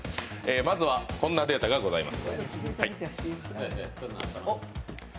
まずはこんなデータがございます。